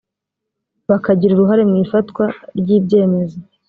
bakagira uruhare mu ifatwa ry ibyemezo